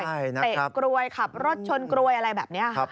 เตะกล้วยครับรถชนกล้วยอะไรแบบนี้